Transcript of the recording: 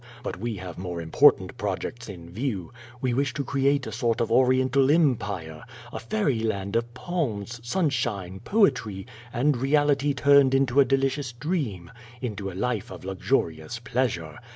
But we have more important projects in view. We wish to create a sort of Oriental Em pire, a fairy land of palms, sunshine, poetry, and reality turned into a delicious dream, into a life of luxurious pleasure.